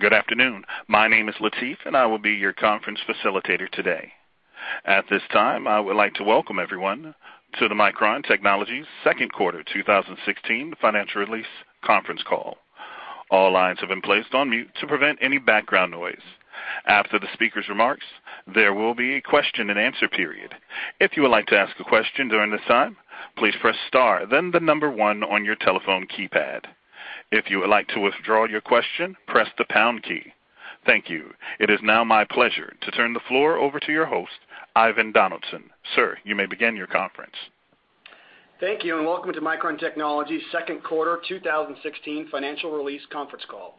Good afternoon. My name is Latif, and I will be your conference facilitator today. At this time, I would like to welcome everyone to the Micron Technology second quarter 2016 financial release conference call. All lines have been placed on mute to prevent any background noise. After the speaker's remarks, there will be a question and answer period. If you would like to ask a question during this time, please press star, then the number one on your telephone keypad. If you would like to withdraw your question, press the pound key. Thank you. It is now my pleasure to turn the floor over to your host, Ivan Donaldson. Sir, you may begin your conference. Thank you. Welcome to Micron Technology's second quarter 2016 financial release conference call.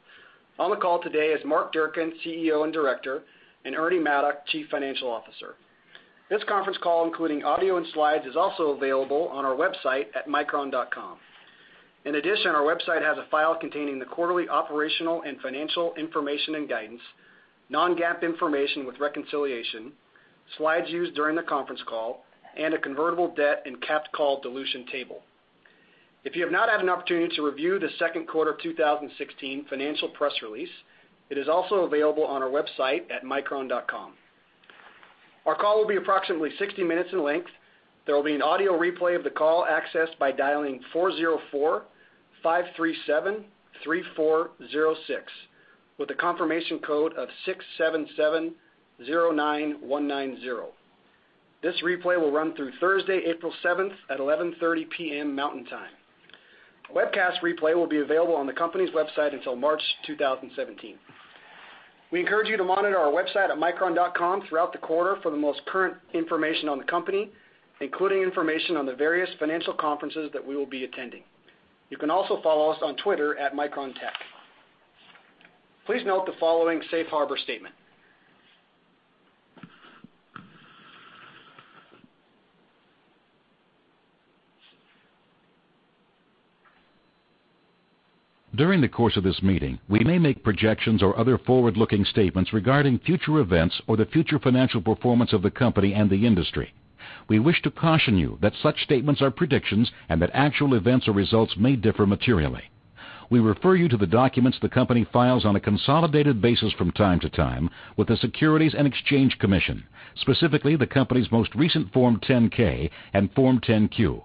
On the call today is Mark Durcan, CEO and Director, and Ernie Maddock, Chief Financial Officer. This conference call, including audio and slides, is also available on our website at micron.com. In addition, our website has a file containing the quarterly operational and financial information and guidance, non-GAAP information with reconciliation, slides used during the conference call, and a convertible debt and capped call dilution table. If you have not had an opportunity to review the second quarter of 2016 financial press release, it is also available on our website at micron.com. Our call will be approximately 60 minutes in length. There will be an audio replay of the call accessed by dialing 404-537-3406 with a confirmation code of 67709190. This replay will run through Thursday, April 7th at 11:30 P.M. Mountain Time. A webcast replay will be available on the company's website until March 2017. We encourage you to monitor our website at micron.com throughout the quarter for the most current information on the company, including information on the various financial conferences that we will be attending. You can also follow us on Twitter at MicronTech. Please note the following safe harbor statement. During the course of this meeting, we may make projections or other forward-looking statements regarding future events or the future financial performance of the company and the industry. We wish to caution you that such statements are predictions and that actual events or results may differ materially. We refer you to the documents the company files on a consolidated basis from time to time with the Securities and Exchange Commission, specifically the company's most recent Form 10-K and Form 10-Q.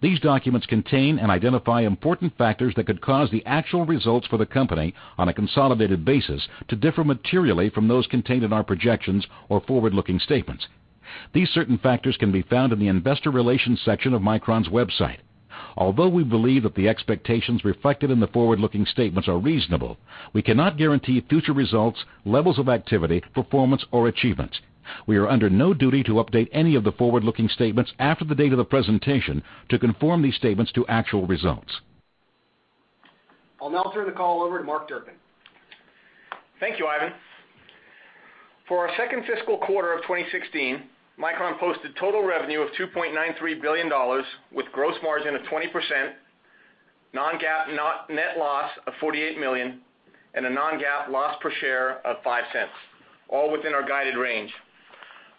These documents contain and identify important factors that could cause the actual results for the company on a consolidated basis to differ materially from those contained in our projections or forward-looking statements. These certain factors can be found in the investor relations section of Micron's website. Although we believe that the expectations reflected in the forward-looking statements are reasonable, we cannot guarantee future results, levels of activity, performance, or achievements. We are under no duty to update any of the forward-looking statements after the date of the presentation to conform these statements to actual results. I'll now turn the call over to Mark Durcan. Thank you, Ivan. For our second fiscal quarter of 2016, Micron posted total revenue of $2.93 billion with gross margin of 20%, non-GAAP net loss of $48 million, and a non-GAAP loss per share of $0.05, all within our guided range.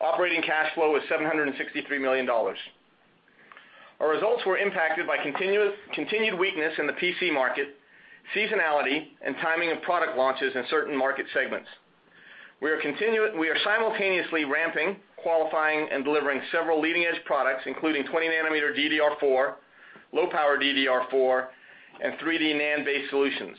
Operating cash flow was $763 million. Our results were impacted by continued weakness in the PC market, seasonality, and timing of product launches in certain market segments. We are simultaneously ramping, qualifying, and delivering several leading-edge products, including 20 nanometer DDR4, low-power DDR4, and 3D NAND-based solutions.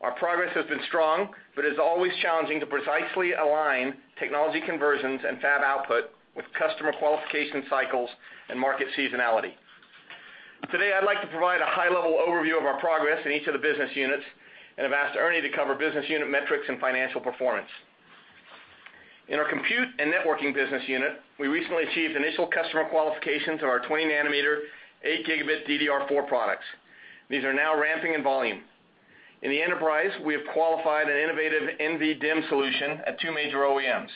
Our progress has been strong. It's always challenging to precisely align technology conversions and fab output with customer qualification cycles and market seasonality. Today, I'd like to provide a high-level overview of our progress in each of the business units and have asked Ernie to cover business unit metrics and financial performance. In our compute and networking business unit, we recently achieved initial customer qualifications of our 20 nanometer 8 gigabit DDR4 products. These are now ramping in volume. In the enterprise, we have qualified an innovative NVDIMM solution at two major OEMs.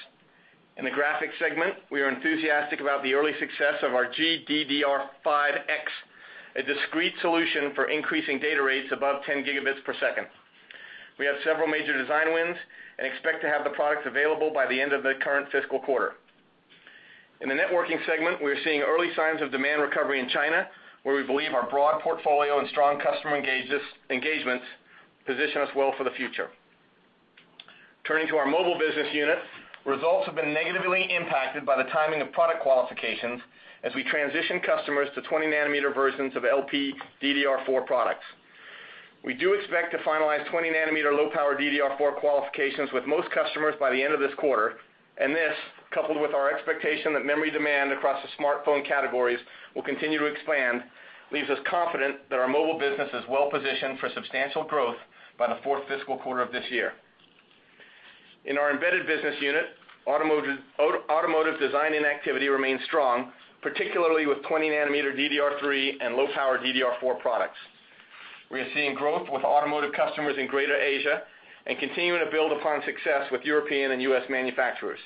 In the graphics segment, we are enthusiastic about the early success of our GDDR5X, a discrete solution for increasing data rates above 10 gigabits per second. We have several major design wins and expect to have the products available by the end of the current fiscal quarter. In the networking segment, we are seeing early signs of demand recovery in China, where we believe our broad portfolio and strong customer engagements position us well for the future. Turning to our mobile business unit, results have been negatively impacted by the timing of product qualifications as we transition customers to 20 nanometer versions of LPDDR4 products. We do expect to finalize 20 nanometer low-power DDR4 qualifications with most customers by the end of this quarter, and this, coupled with our expectation that memory demand across the smartphone categories will continue to expand, leaves us confident that our mobile business is well positioned for substantial growth by the fourth fiscal quarter of this year. In our embedded business unit, automotive design and activity remains strong, particularly with 20 nanometer DDR3 and low-power DDR4 products. We are seeing growth with automotive customers in greater Asia and continuing to build upon success with European and U.S. manufacturers.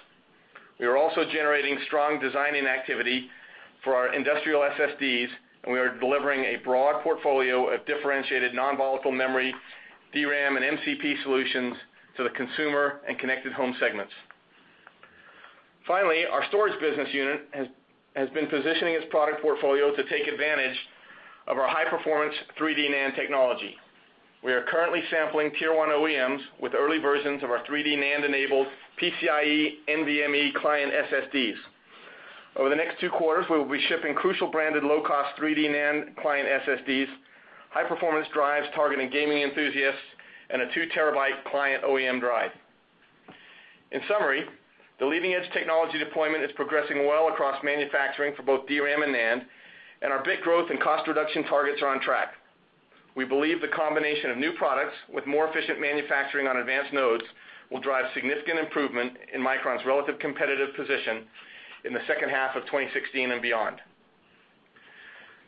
We are also generating strong designing activity for our industrial SSDs, and we are delivering a broad portfolio of differentiated non-volatile memory, DRAM, and MCP solutions to the consumer and connected home segments. Our storage business unit has been positioning its product portfolio to take advantage of our high-performance 3D NAND technology. We are currently sampling Tier 1 OEMs with early versions of our 3D NAND-enabled PCIe NVMe client SSDs. Over the next two quarters, we will be shipping Crucial-branded low-cost 3D NAND client SSDs, high-performance drives targeting gaming enthusiasts, and a 2-terabyte client OEM drive. In summary, the leading-edge technology deployment is progressing well across manufacturing for both DRAM and NAND, and our bit growth and cost reduction targets are on track. We believe the combination of new products with more efficient manufacturing on advanced nodes will drive significant improvement in Micron's relative competitive position in the second half of 2016 and beyond.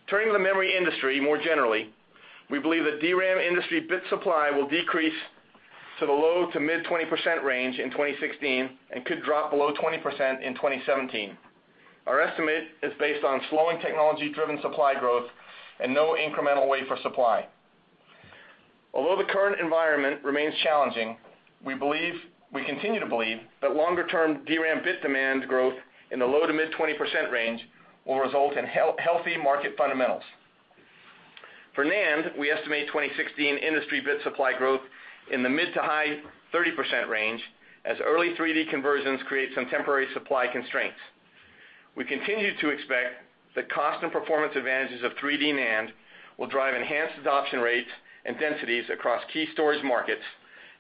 Turning to the memory industry more generally, we believe that DRAM industry bit supply will decrease to the low to mid 20% range in 2016 and could drop below 20% in 2017. Our estimate is based on slowing technology-driven supply growth and no incremental wafer supply. Although the current environment remains challenging, we continue to believe that longer-term DRAM bit demand growth in the low to mid 20% range will result in healthy market fundamentals. For NAND, we estimate 2016 industry bit supply growth in the mid to high 30% range, as early 3D conversions create some temporary supply constraints. We continue to expect the cost and performance advantages of 3D NAND will drive enhanced adoption rates and densities across key storage markets,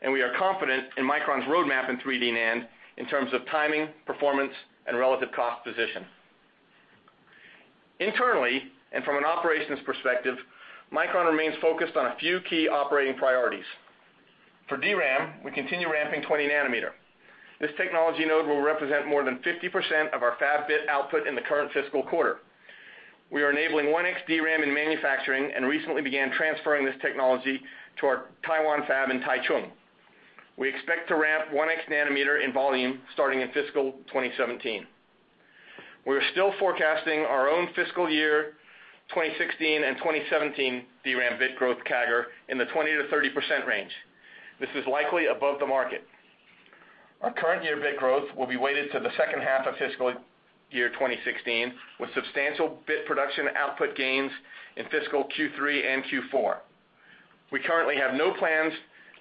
and we are confident in Micron's roadmap in 3D NAND in terms of timing, performance, and relative cost position. Internally, and from an operations perspective, Micron remains focused on a few key operating priorities. For DRAM, we continue ramping 20 nanometer. This technology node will represent more than 50% of our fab bit output in the current fiscal quarter. We are enabling 1x DRAM in manufacturing and recently began transferring this technology to our Taiwan fab in Taichung. We expect to ramp 1X nanometer in volume starting in fiscal 2017. We are still forecasting our own fiscal year 2016 and 2017 DRAM bit growth CAGR in the 20%-30% range. This is likely above the market. Our current year bit growth will be weighted to the second half of fiscal year 2016, with substantial bit production output gains in fiscal Q3 and Q4. We currently have no plans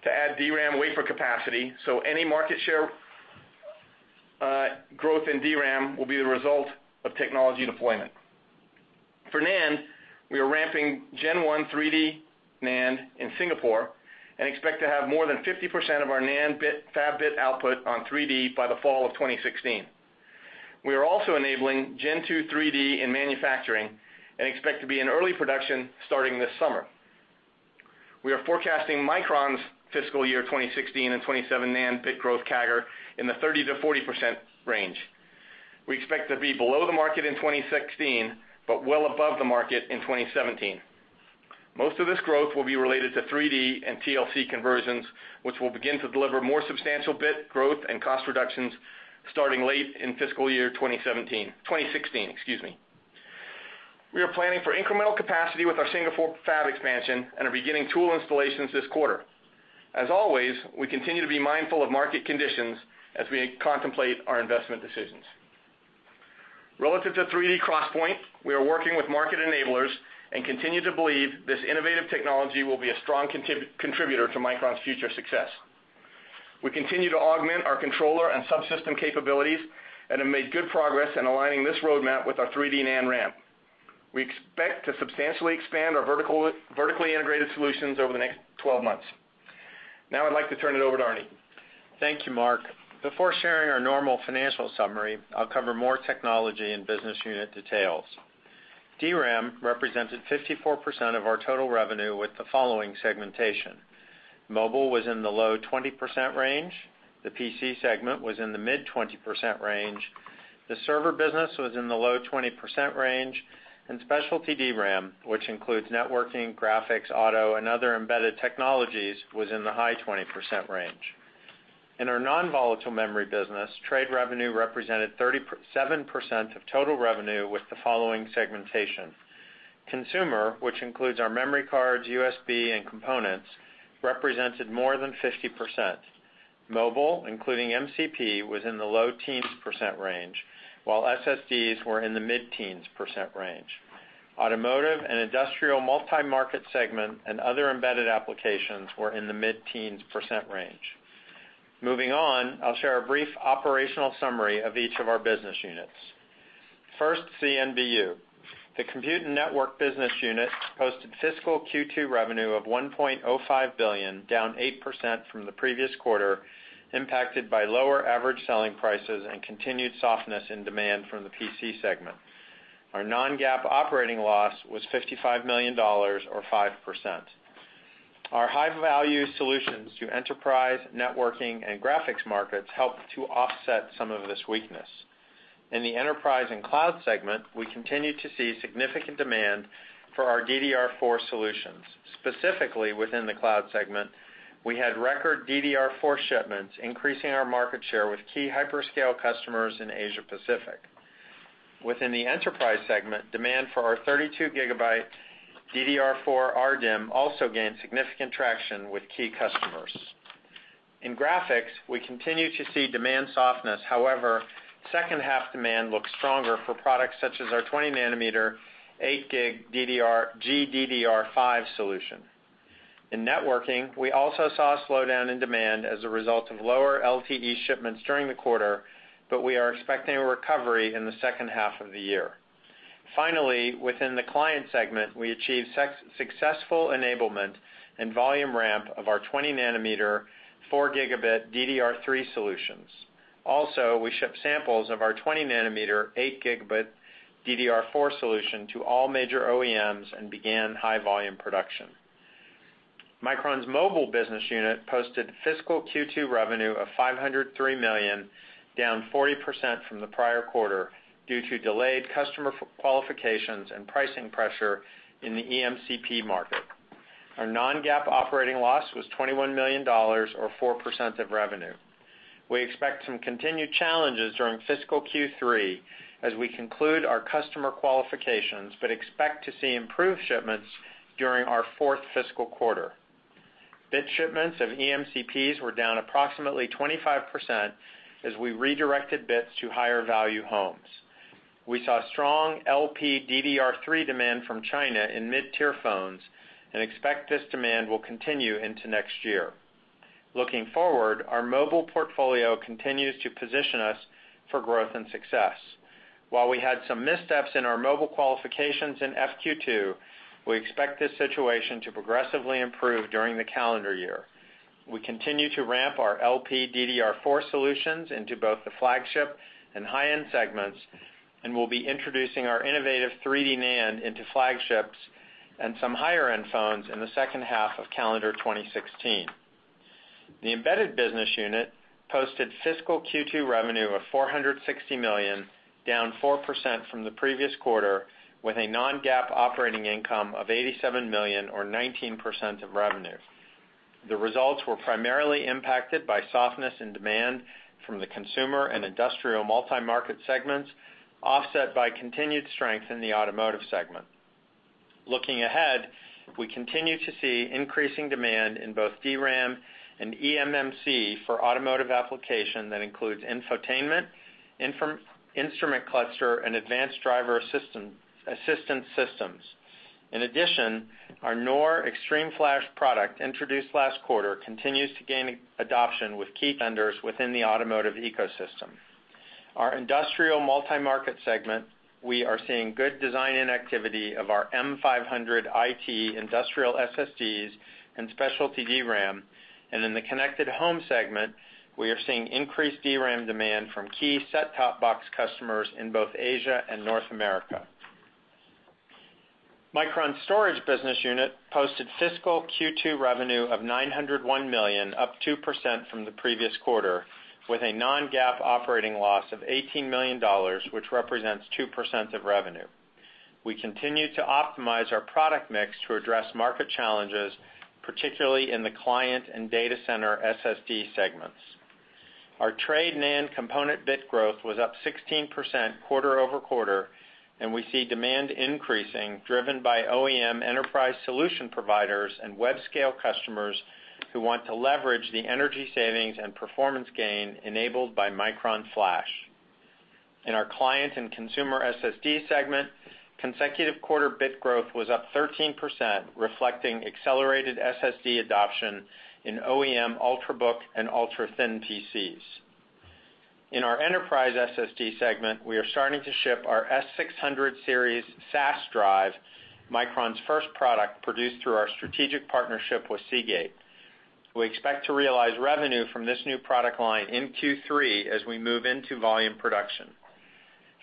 to add DRAM wafer capacity, so any market share growth in DRAM will be the result of technology deployment. For NAND, we are ramping gen one 3D NAND in Singapore and expect to have more than 50% of our NAND fab bit output on 3D by the fall of 2016. We are also enabling gen two 3D in manufacturing and expect to be in early production starting this summer. We are forecasting Micron's fiscal year 2016 and 2017 NAND bit growth CAGR in the 30%-40% range. We expect to be below the market in 2016, well above the market in 2017. Most of this growth will be related to 3D and TLC conversions, which will begin to deliver more substantial bit growth and cost reductions starting late in fiscal year 2017, 2016, excuse me. We are planning for incremental capacity with our Singapore fab expansion and are beginning tool installations this quarter. As always, we continue to be mindful of market conditions as we contemplate our investment decisions. Relative to 3D XPoint, we are working with market enablers and continue to believe this innovative technology will be a strong contributor to Micron's future success. We continue to augment our controller and subsystem capabilities and have made good progress in aligning this roadmap with our 3D NAND ramp. We expect to substantially expand our vertically integrated solutions over the next 12 months. I'd like to turn it over to Ernie. Thank you, Mark. Before sharing our normal financial summary, I'll cover more technology and business unit details. DRAM represented 54% of our total revenue with the following segmentation. Mobile was in the low 20% range, the PC segment was in the mid 20% range, the server business was in the low 20% range, and specialty DRAM, which includes networking, graphics, auto, and other embedded technologies, was in the high 20% range. In our non-volatile memory business, trade revenue represented 37% of total revenue with the following segmentation. Consumer, which includes our memory cards, USB, and components, represented more than 50%. Mobile, including MCP, was in the low teens percent range, while SSDs were in the mid-teens percent range. Automotive and industrial multi-market segment and other embedded applications were in the mid-teens percent range. I'll share a brief operational summary of each of our business units. First, CNBU. The Compute Network Business Unit posted fiscal Q2 revenue of $1.05 billion, down 8% from the previous quarter, impacted by lower average selling prices and continued softness in demand from the PC segment. Our non-GAAP operating loss was $55 million, or 5%. Our high-value solutions to enterprise, networking, and graphics markets helped to offset some of this weakness. In the enterprise and cloud segment, we continued to see significant demand for our DDR4 solutions. Specifically, within the cloud segment, we had record DDR4 shipments, increasing our market share with key hyperscale customers in Asia Pacific. Within the enterprise segment, demand for our 32 GB DDR4 RDIMM also gained significant traction with key customers. In graphics, we continue to see demand softness. Second half demand looks stronger for products such as our 20-nanometer, 8 GB GDDR5 solution. In networking, we also saw a slowdown in demand as a result of lower LTE shipments during the quarter, but we are expecting a recovery in the second half of the year. Finally, within the client segment, we achieved successful enablement and volume ramp of our 20 nanometer, four gigabit DDR3 solutions. Also, we shipped samples of our 20 nanometer, eight gigabit DDR4 solution to all major OEMs and began high-volume production. Micron's mobile business unit posted fiscal Q2 revenue of $503 million, down 40% from the prior quarter due to delayed customer qualifications and pricing pressure in the eMCP market. Our non-GAAP operating loss was $21 million, or 4% of revenue. We expect some continued challenges during fiscal Q3 as we conclude our customer qualifications, but expect to see improved shipments during our fourth fiscal quarter. Bit shipments of eMCPs were down approximately 25% as we redirected bits to higher value homes. We saw strong LPDDR3 demand from China in mid-tier phones and expect this demand will continue into next year. Looking forward, our mobile portfolio continues to position us for growth and success. While we had some missteps in our mobile qualifications in FQ2, we expect this situation to progressively improve during the calendar year. We continue to ramp our LPDDR4 solutions into both the flagship and high-end segments, and we'll be introducing our innovative 3D NAND into flagships and some higher-end phones in the second half of calendar 2016. The embedded business unit posted fiscal Q2 revenue of $460 million, down 4% from the previous quarter, with a non-GAAP operating income of $87 million, or 19% of revenue. The results were primarily impacted by softness in demand from the consumer and industrial multi-market segments, offset by continued strength in the automotive segment. Looking ahead, we continue to see increasing demand in both DRAM and eMMC for automotive application that includes infotainment, instrument cluster, and advanced driver assistance systems. In addition, our NOR XTRMFlash product, introduced last quarter, continues to gain adoption with key vendors within the automotive ecosystem. In our industrial multi-market segment, we are seeing good design and activity of our M500IT industrial SSDs and specialty DRAM. In the connected home segment, we are seeing increased DRAM demand from key set-top box customers in both Asia and North America. Micron's storage business unit posted fiscal Q2 revenue of $901 million, up 2% from the previous quarter, with a non-GAAP operating loss of $18 million, which represents 2% of revenue. We continue to optimize our product mix to address market challenges, particularly in the client and data center SSD segments. Our trade NAND component bit growth was up 16% quarter-over-quarter, and we see demand increasing, driven by OEM enterprise solution providers and web scale customers who want to leverage the energy savings and performance gain enabled by Micron Flash. In our client and consumer SSD segment, consecutive quarter bit growth was up 13%, reflecting accelerated SSD adoption in OEM Ultrabook and ultra-thin PCs. In our enterprise SSD segment, we are starting to ship our S600 Series SAS drive, Micron's first product produced through our strategic partnership with Seagate. We expect to realize revenue from this new product line in Q3 as we move into volume production.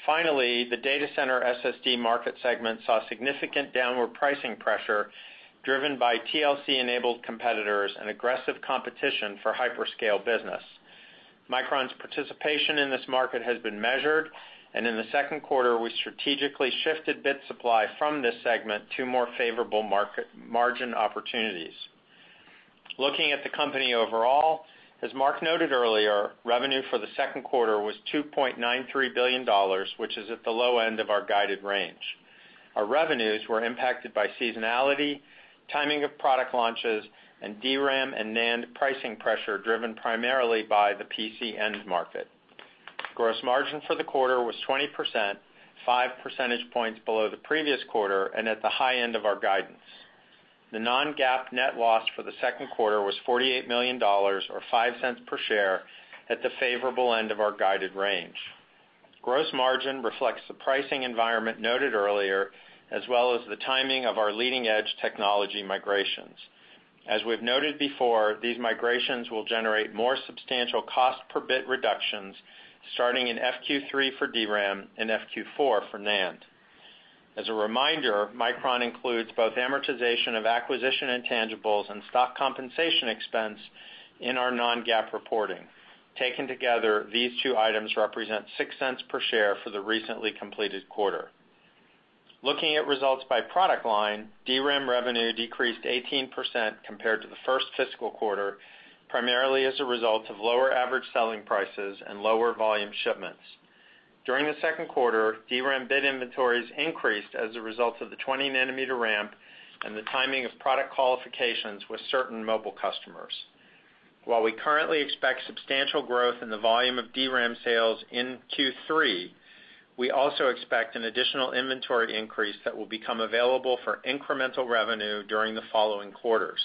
Finally, the data center SSD market segment saw significant downward pricing pressure driven by TLC-enabled competitors and aggressive competition for hyperscale business. Micron's participation in this market has been measured, and in the second quarter, we strategically shifted bit supply from this segment to more favorable margin opportunities. Looking at the company overall, as Mark noted earlier, revenue for the second quarter was $2.93 billion, which is at the low end of our guided range. Our revenues were impacted by seasonality, timing of product launches, and DRAM and NAND pricing pressure, driven primarily by the PC end market. Gross margin for the quarter was 20%, five percentage points below the previous quarter and at the high end of our guidance. The non-GAAP net loss for the second quarter was $48 million, or $0.05 per share, at the favorable end of our guided range. Gross margin reflects the pricing environment noted earlier, as well as the timing of our leading-edge technology migrations. As we've noted before, these migrations will generate more substantial cost per bit reductions, starting in FQ3 for DRAM and FQ4 for NAND. As a reminder, Micron includes both amortization of acquisition intangibles and stock compensation expense in our non-GAAP reporting. Taken together, these two items represent $0.06 per share for the recently completed quarter. Looking at results by product line, DRAM revenue decreased 18% compared to the first fiscal quarter, primarily as a result of lower average selling prices and lower volume shipments. During the second quarter, DRAM bit inventories increased as a result of the 20 nanometer ramp and the timing of product qualifications with certain mobile customers. While we currently expect substantial growth in the volume of DRAM sales in Q3, we also expect an additional inventory increase that will become available for incremental revenue during the following quarters.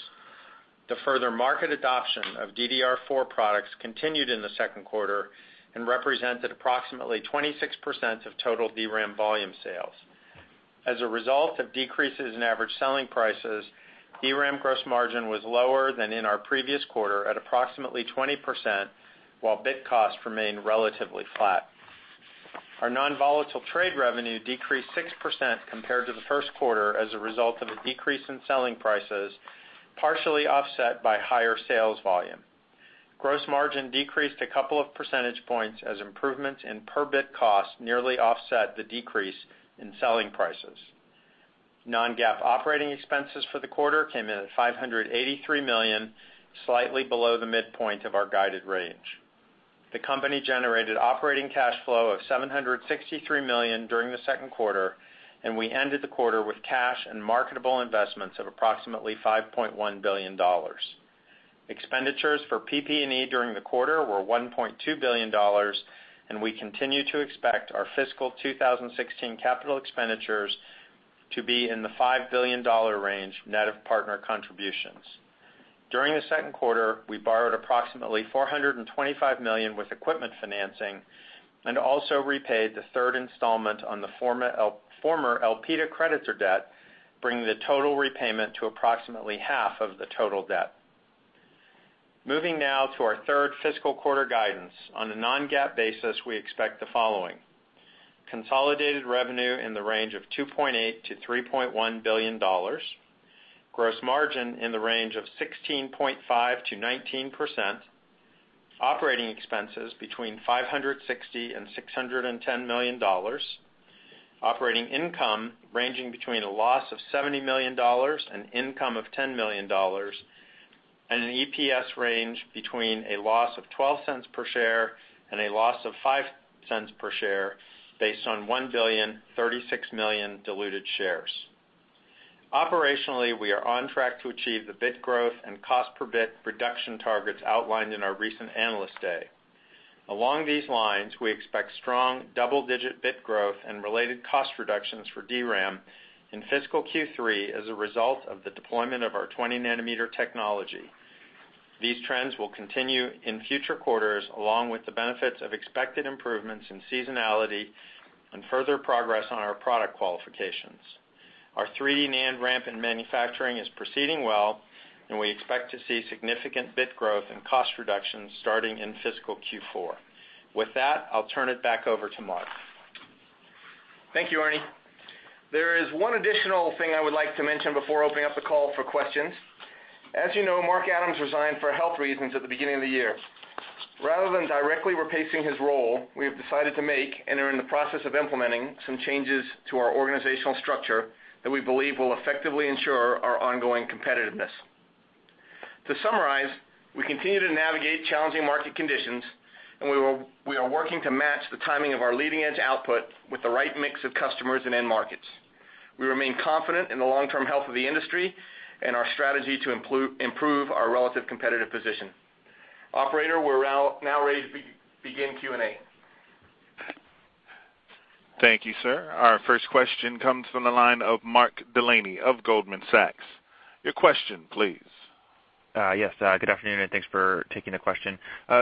The further market adoption of DDR4 products continued in the second quarter and represented approximately 26% of total DRAM volume sales. As a result of decreases in average selling prices, DRAM gross margin was lower than in our previous quarter at approximately 20%, while bit cost remained relatively flat. Our non-volatile trade revenue decreased 6% compared to the first quarter as a result of a decrease in selling prices, partially offset by higher sales volume. Gross margin decreased a couple of percentage points as improvements in per-bit cost nearly offset the decrease in selling prices. Non-GAAP operating expenses for the quarter came in at $583 million, slightly below the midpoint of our guided range. The company generated operating cash flow of $763 million during the second quarter, and we ended the quarter with cash and marketable investments of approximately $5.1 billion. Expenditures for PP&E during the quarter were $1.2 billion, and we continue to expect our fiscal 2016 capital expenditures to be in the $5 billion range, net of partner contributions. During the second quarter, we borrowed approximately $425 million with equipment financing and also repaid the third installment on the former Elpida creditor debt, bringing the total repayment to approximately half of the total debt. Moving now to our third fiscal quarter guidance. On a non-GAAP basis, we expect the following. Consolidated revenue in the range of $2.8 billion-$3.1 billion, gross margin in the range of 16.5%-19%, operating expenses between $560 million and $610 million, operating income ranging between a loss of $70 million to an income of $10 million, and an EPS range between a loss of $0.12 per share and a loss of $0.05 per share based on 1,036,000,000 diluted shares. Operationally, we are on track to achieve the bit growth and cost per bit reduction targets outlined in our recent Analyst Day. Along these lines, we expect strong double-digit bit growth and related cost reductions for DRAM in fiscal Q3 as a result of the deployment of our 20 nanometer technology. These trends will continue in future quarters, along with the benefits of expected improvements in seasonality and further progress on our product qualifications. Our 3D NAND ramp in manufacturing is proceeding well, and we expect to see significant bit growth and cost reductions starting in fiscal Q4. With that, I'll turn it back over to Mark. Thank you, Ernie. There is one additional thing I would like to mention before opening up the call for questions. As you know, Mark Adams resigned for health reasons at the beginning of the year. Rather than directly replacing his role, we have decided to make, and are in the process of implementing, some changes to our organizational structure that we believe will effectively ensure our ongoing competitiveness. To summarize, we continue to navigate challenging market conditions. We are working to match the timing of our leading-edge output with the right mix of customers and end markets. We remain confident in the long-term health of the industry and our strategy to improve our relative competitive position. Operator, we're now ready to begin Q&A. Thank you, sir. Our first question comes from the line of Mark Delaney of Goldman Sachs. Your question, please. Yes. Good afternoon. Thanks for taking the question.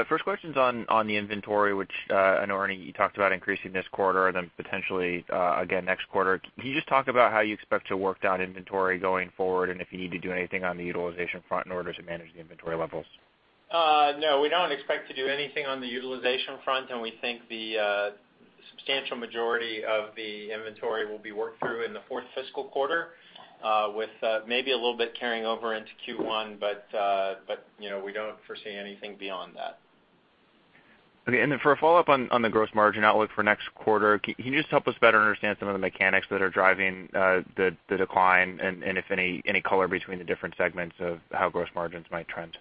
First question's on the inventory, which I know, Ernie, you talked about increasing this quarter, then potentially again next quarter. Can you just talk about how you expect to work down inventory going forward, and if you need to do anything on the utilization front in order to manage the inventory levels? No, we don't expect to do anything on the utilization front. We think the substantial majority of the inventory will be worked through in the fourth fiscal quarter with maybe a little bit carrying over into Q1. We don't foresee anything beyond that. Okay. For a follow-up on the gross margin outlook for next quarter, can you just help us better understand some of the mechanics that are driving the decline, and if any color between the different segments of how gross margins might trend?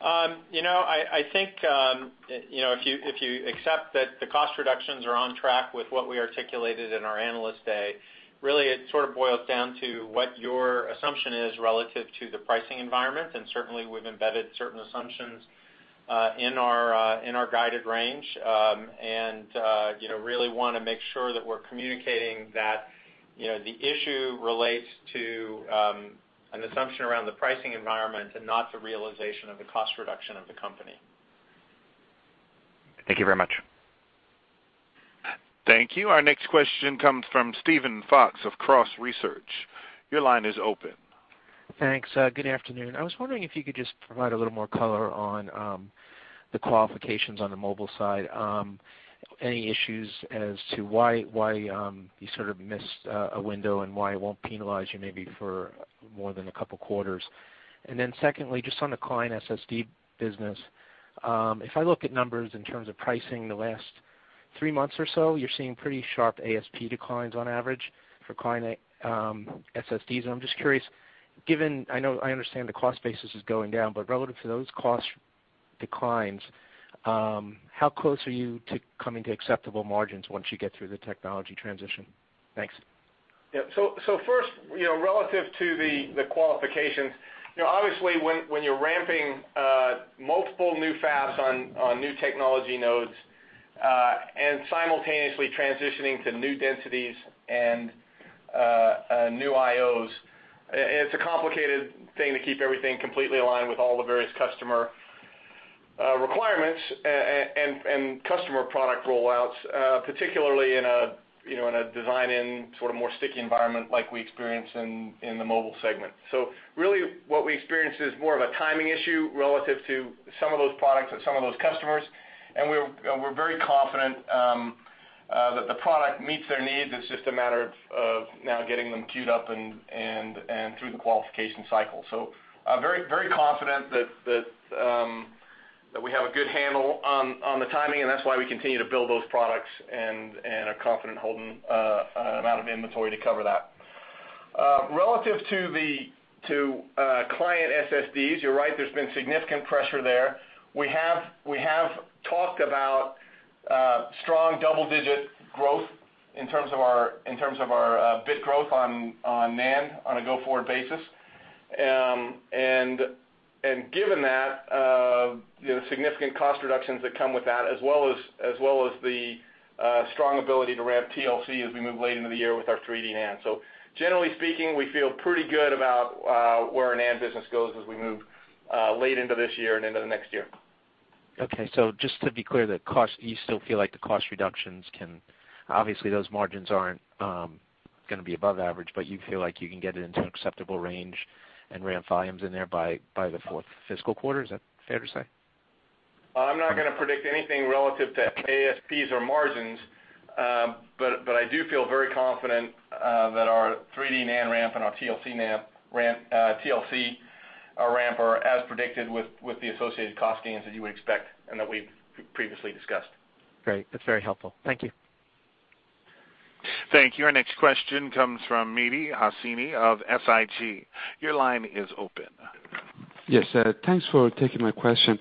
I think if you accept that the cost reductions are on track with what we articulated in our Analyst Day, really it sort of boils down to what your assumption is relative to the pricing environment. Certainly, we've embedded certain assumptions in our guided range. Really want to make sure that we're communicating that the issue relates to an assumption around the pricing environment and not the realization of the cost reduction of the company. Thank you very much. Thank you. Our next question comes from Steven Fox of Cross Research. Your line is open. Thanks. Good afternoon. I was wondering if you could just provide a little more color on the qualifications on the mobile side. Any issues as to why you sort of missed a window and why it won't penalize you maybe for more than a couple of quarters? Secondly, just on the client SSD business. If I look at numbers in terms of pricing the last three months or so, you're seeing pretty sharp ASP declines on average for client SSDs. I'm just curious, I understand the cost basis is going down, but relative to those cost declines, how close are you to coming to acceptable margins once you get through the technology transition? Thanks. First, relative to the qualifications, obviously when you're ramping multiple new fabs on new technology nodes, and simultaneously transitioning to new densities and new IOs, it's a complicated thing to keep everything completely aligned with all the various customer requirements and customer product roll-outs, particularly in a design in sort of more sticky environment like we experience in the mobile segment. Really what we experience is more of a timing issue relative to some of those products and some of those customers, and we're very confident that the product meets their needs. It's just a matter of now getting them cued up and through the qualification cycle. Very confident that we have a good handle on the timing, and that's why we continue to build those products and are confident holding amount of inventory to cover that. Relative to client SSDs, you're right, there's been significant pressure there. We have talked about strong double-digit growth in terms of our bit growth on NAND on a go-forward basis. Given that, significant cost reductions that come with that, as well as the strong ability to ramp TLC as we move late into the year with our 3D NAND. Generally speaking, we feel pretty good about where our NAND business goes as we move late into this year and into the next year. Okay. Just to be clear, do you still feel like the cost reductions obviously, those margins aren't going to be above average, but you feel like you can get it into an acceptable range and ramp volumes in there by the fourth fiscal quarter, is that fair to say? I'm not going to predict anything relative to ASPs or margins. I do feel very confident, that our 3D NAND ramp and our TLC ramp are as predicted with the associated cost gains that you would expect and that we've previously discussed. Great. That's very helpful. Thank you. Thank you. Our next question comes from Mehdi Hosseini of SIG. Your line is open. Yes, thanks for taking my question.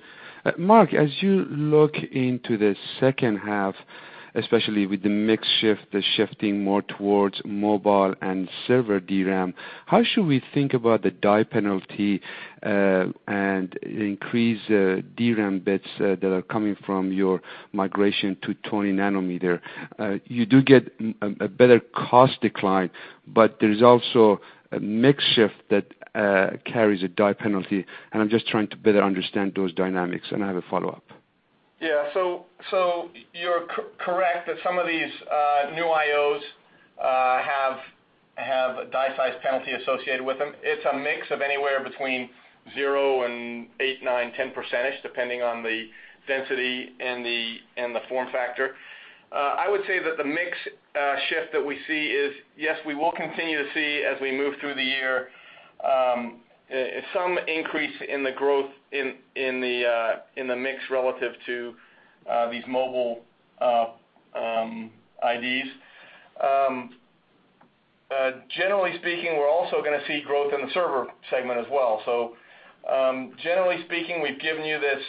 Mark, as you look into the second half, especially with the mix shift, the shifting more towards mobile and server DRAM, how should we think about the die penalty, and increase DRAM bits that are coming from your migration to 20 nanometer? You do get a better cost decline, but there's also a mix shift that carries a die penalty, and I'm just trying to better understand those dynamics. I have a follow-up. Yeah. You're correct that some of these new IOs have a die size penalty associated with them. It's a mix of anywhere between zero and eight, nine, 10%, depending on the density and the form factor. I would say that the mix shift that we see is, yes, we will continue to see as we move through the year, some increase in the growth in the mix relative to these mobile IDs. Generally speaking, we're also going to see growth in the server segment as well. Generally speaking, we've given you this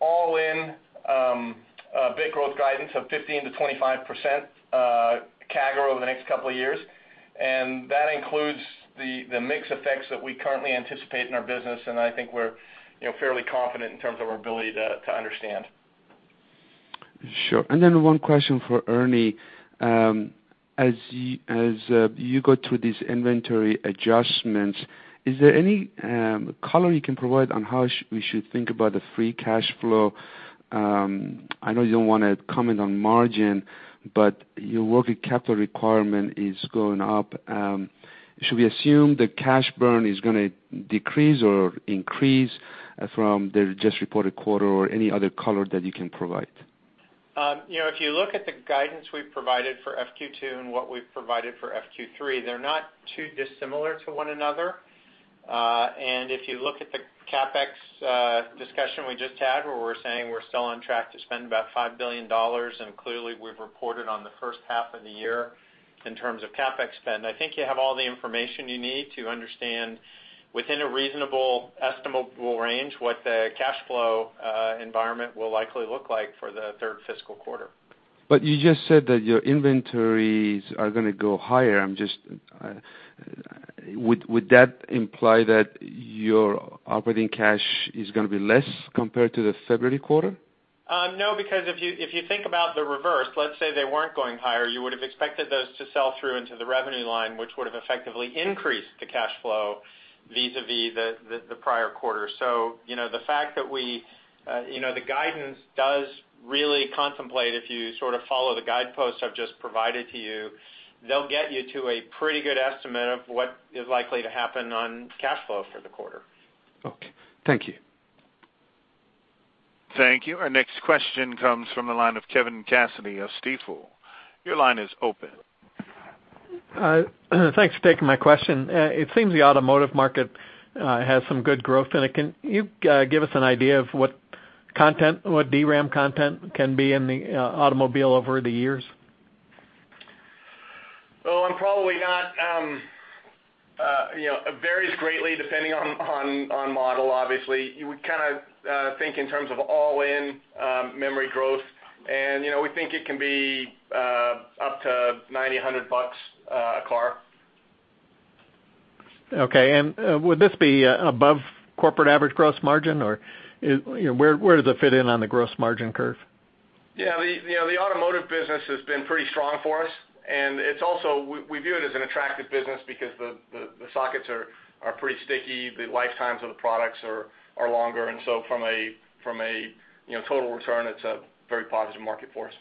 all-in bit growth guidance of 15%-25% CAGR over the next couple of years. That includes the mix effects that we currently anticipate in our business, and I think we're fairly confident in terms of our ability to understand. Sure. Then one question for Ernie. As you go through these inventory adjustments, is there any color you can provide on how we should think about the free cash flow? I know you don't want to comment on margin, but your working capital requirement is going up. Should we assume the cash burn is going to decrease or increase from the just reported quarter or any other color that you can provide? If you look at the guidance we've provided for FQ2 and what we've provided for FQ3, they're not too dissimilar to one another. If you look at the CapEx discussion we just had, where we're saying we're still on track to spend about $5 billion, clearly we've reported on the first half of the year in terms of CapEx spend. I think you have all the information you need to understand within a reasonable estimable range what the cash flow environment will likely look like for the third fiscal quarter. You just said that your inventories are going to go higher. Would that imply that your operating cash is going to be less compared to the February quarter? No, because if you think about the reverse, let's say they weren't going higher, you would have expected those to sell through into the revenue line, which would have effectively increased the cash flow vis-à-vis the prior quarter. The guidance does really contemplate, if you sort of follow the guideposts I've just provided to you, they'll get you to a pretty good estimate of what is likely to happen on cash flow for the quarter. Okay. Thank you. Thank you. Our next question comes from the line of Kevin Cassidy of Stifel. Your line is open. Thanks for taking my question. It seems the automotive market has some good growth in it. Can you give us an idea of what DRAM content can be in the automobile over the years? Well, it varies greatly depending on model, obviously. You would think in terms of all-in memory growth, we think it can be up to $90, $100 a car. Okay. Would this be above corporate average gross margin, or where does it fit in on the gross margin curve? Yeah. The automotive business has been pretty strong for us, we view it as an attractive business because the sockets are pretty sticky. The lifetimes of the products are longer. From a total return, it's a very positive market for us.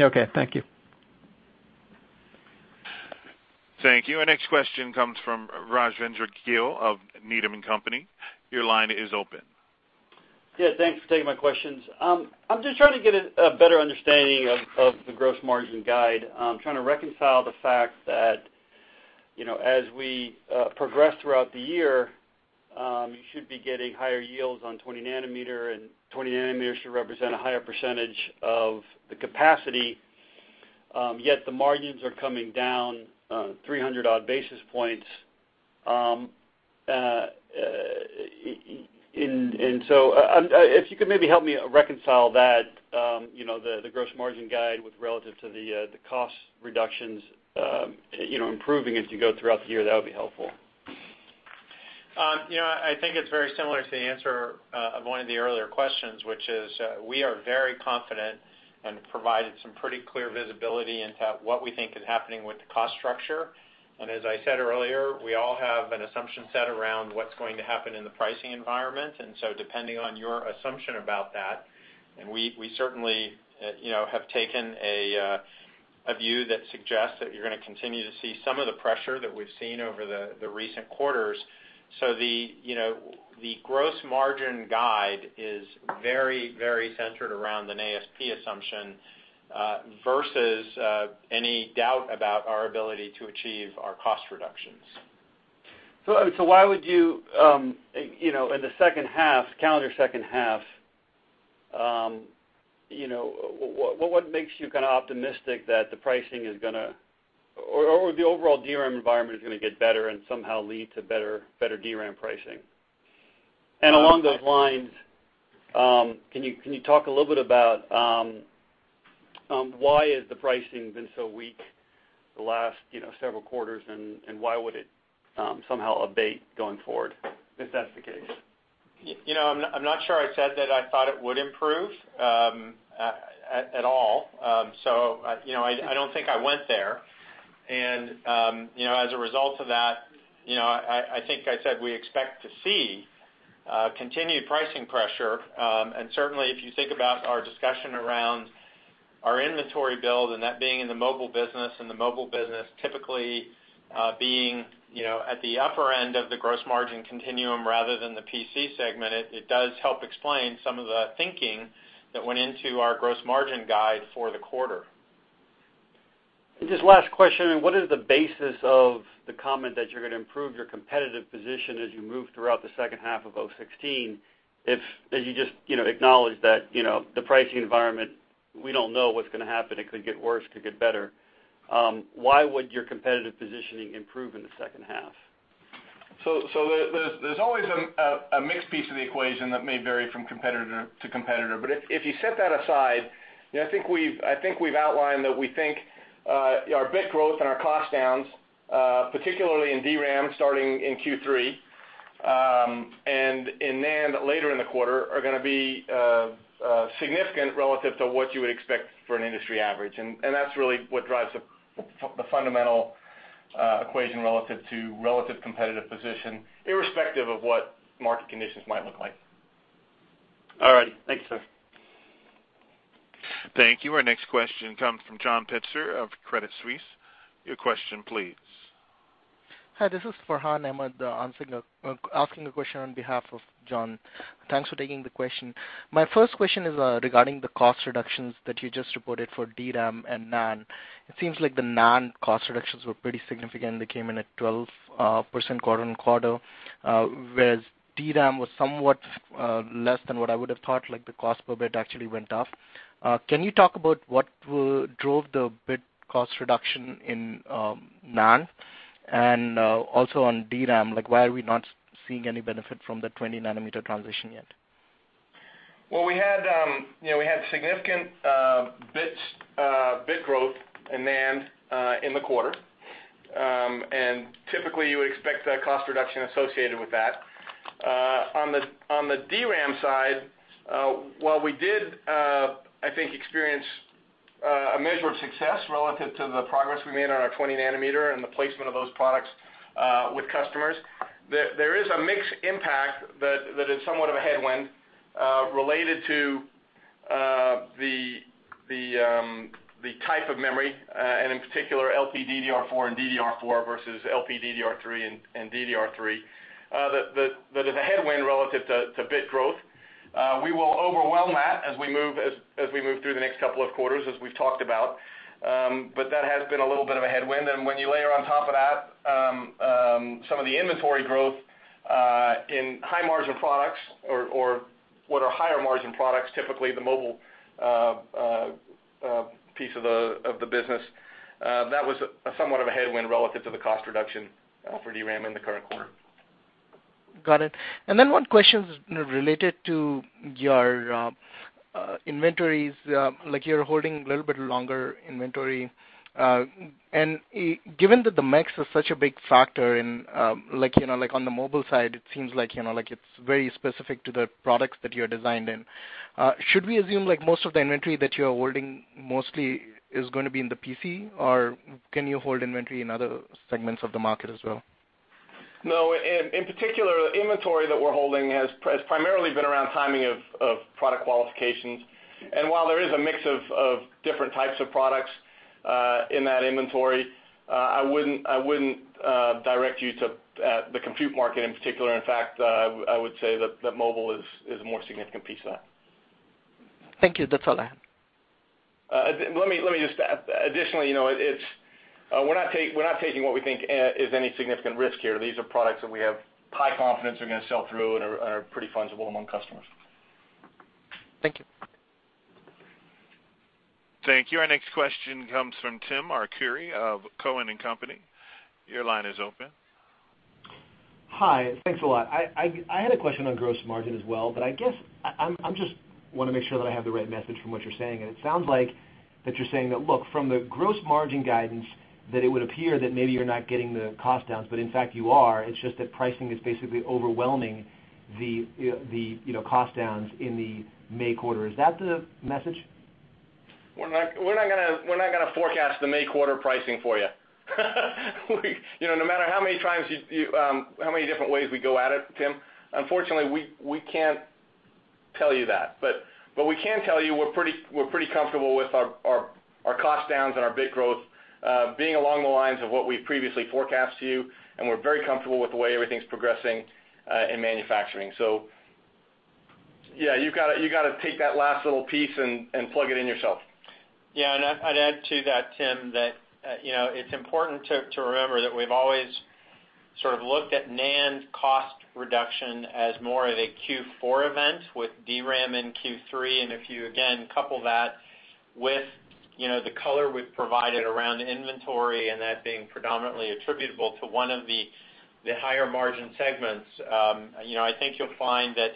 Okay. Thank you. Thank you. Our next question comes from Rajvindra Gill of Needham & Company. Your line is open. Yeah. Thanks for taking my questions. I'm just trying to get a better understanding of the gross margin guide. I'm trying to reconcile the fact that as we progress throughout the year, you should be getting higher yields on 20 nanometer, and 20 nanometer should represent a higher percentage of the capacity, yet the margins are coming down 300-odd basis points. If you could maybe help me reconcile that, the gross margin guide with relative to the cost reductions improving as you go throughout the year, that would be helpful. I think it's very similar to the answer of one of the earlier questions, which is, we are very confident and provided some pretty clear visibility into what we think is happening with the cost structure. As I said earlier, we all have an assumption set around what's going to happen in the pricing environment. Depending on your assumption about that, and we certainly have taken a view that suggests that you're going to continue to see some of the pressure that we've seen over the recent quarters. The gross margin guide is very centered around an ASP assumption, versus any doubt about our ability to achieve our cost reductions. Why would you, in the second half, calendar second half, what makes you kind of optimistic that the pricing is going to, or the overall DRAM environment is going to get better and somehow lead to better DRAM pricing? Along those lines, can you talk a little bit about why has the pricing been so weak the last several quarters, and why would it somehow abate going forward, if that's the case? I'm not sure I said that I thought it would improve at all. I don't think I went there. As a result of that, I think I said we expect to see continued pricing pressure. Certainly if you think about our discussion around our inventory build and that being in the mobile business, and the mobile business typically being at the upper end of the gross margin continuum rather than the PC segment, it does help explain some of the thinking that went into our gross margin guide for the quarter. Just last question, what is the basis of the comment that you're going to improve your competitive position as you move throughout the second half of 2016 if, as you just acknowledged that, the pricing environment, we don't know what's going to happen. It could get worse, could get better. Why would your competitive positioning improve in the second half? There's always a mixed piece of the equation that may vary from competitor to competitor. If you set that aside, I think we've outlined that we think our bit growth and our cost downs, particularly in DRAM starting in Q3, and in NAND later in the quarter, are going to be significant relative to what you would expect for an industry average. That's really what drives the fundamental equation relative to relative competitive position, irrespective of what market conditions might look like. All right. Thanks, sir. Thank you. Our next question comes from John Pitzer of Credit Suisse. Your question, please. Hi, this is Farhan Ahmad, asking the question on behalf of John. Thanks for taking the question. My first question is regarding the cost reductions that you just reported for DRAM and NAND. It seems like the NAND cost reductions were pretty significant. They came in at 12% quarter-on-quarter, whereas DRAM was somewhat less than what I would have thought, like the cost per bit actually went up. Can you talk about what drove the bit cost reduction in NAND? Also on DRAM, why are we not seeing any benefit from the 20 nanometer transition yet? Well, we had significant bit growth in NAND in the quarter. Typically, you would expect a cost reduction associated with that. On the DRAM side, while we did, I think, experience a measure of success relative to the progress we made on our 20 nanometer and the placement of those products with customers, there is a mixed impact that is somewhat of a headwind, related to the type of memory, and in particular, LPDDR4 and DDR4 versus LPDDR3 and DDR3, that is a headwind relative to bit growth. We will overwhelm that as we move through the next couple of quarters, as we've talked about. That has been a little bit of a headwind. When you layer on top of that, some of the inventory growth, in high-margin products or what are higher-margin products, typically the mobile piece of the business, that was somewhat of a headwind relative to the cost reduction for DRAM in the current quarter. Got it. One question is related to your inventories. You're holding a little bit longer inventory. Given that the mix is such a big factor on the mobile side, it seems like it's very specific to the products that you're designed in. Should we assume like most of the inventory that you're holding mostly is going to be in the PC, or can you hold inventory in other segments of the market as well? No. In particular, the inventory that we're holding has primarily been around timing of product qualifications. While there is a mix of different types of products in that inventory, I wouldn't direct you to the compute market in particular. In fact, I would say that mobile is a more significant piece of that. Thank you. That's all I have. Additionally, we're not taking what we think is any significant risk here. These are products that we have high confidence are going to sell through and are pretty fungible among customers. Thank you. Thank you. Our next question comes from Timothy Arcuri of Cowen and Company. Your line is open. Hi. Thanks a lot. I had a question on gross margin as well, I guess I just want to make sure that I have the right message from what you're saying. It sounds like that you're saying that, look, from the gross margin guidance, that it would appear that maybe you're not getting the cost downs, in fact, you are. It's just that pricing is basically overwhelming the cost downs in the May quarter. Is that the message? We're not going to forecast the May quarter pricing for you. No matter how many different ways we go at it, Tim, unfortunately, we can't tell you that. We can tell you we're pretty comfortable with our cost downs and our bit growth, being along the lines of what we've previously forecast to you, and we're very comfortable with the way everything's progressing in manufacturing. Yeah, you've got to take that last little piece and plug it in yourself. Yeah, I'd add to that, Tim, that it's important to remember that we've always sort of looked at NAND cost reduction as more of a Q4 event with DRAM in Q3. If you, again, couple that with the color we've provided around the inventory and that being predominantly attributable to one of the higher-margin segments, I think you'll find that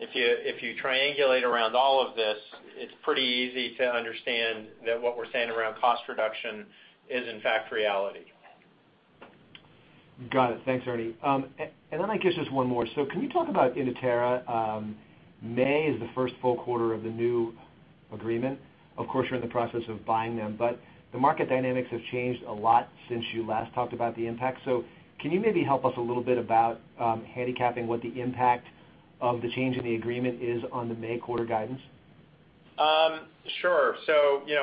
if you triangulate around all of this, it's pretty easy to understand that what we're saying around cost reduction is, in fact, reality. Got it. Thanks, Ernie. Then I guess just one more. Can you talk about Inotera? May is the first full quarter of the new agreement. Of course, you're in the process of buying them, the market dynamics have changed a lot since you last talked about the impact. Can you maybe help us a little bit about handicapping what the impact of the change in the agreement is on the May quarter guidance? Sure.